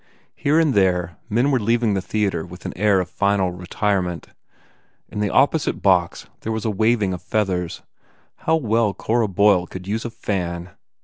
Here and there men were leaving the theatre with an air of final retirement. In the opposite box there was a waving of feathers. How well Cora Boyle could use a fan!